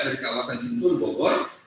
dari kawasan cintur bogor